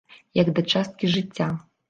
Як да часткі жыцця.